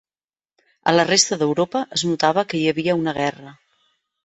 A la resta d'Europa es notava que hi havia una guerra.